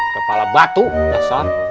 kepala batu ndak sah